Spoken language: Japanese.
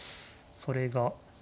それが。